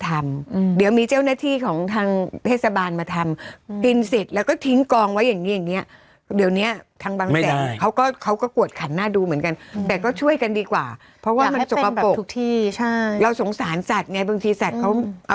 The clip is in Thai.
เราสงสารสัตว์ไงบางทีสัตว์เขาเอาพลาสติกไปกินอะไรอย่างนี้ด้วยนะ